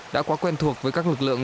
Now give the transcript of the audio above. đã quá quen thuộc với các lực lượng